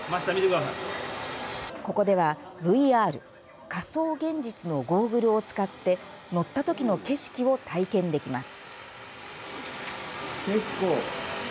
ここではＶＲ、仮想現実のゴーグルを使って乗ったときの景色を体験できます。